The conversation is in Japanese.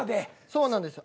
そうなんです。